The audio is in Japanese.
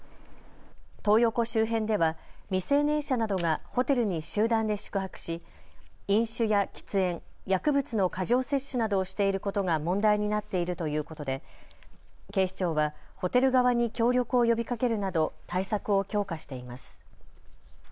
トー横周辺では未成年者などがホテルに集団で宿泊し、飲酒や喫煙、薬物の過剰摂取などをしていることが問題になっているということで警視庁はホテル側に協力を呼びかけるなど対策を強化しています。